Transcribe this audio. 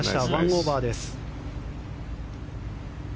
１オーバーです。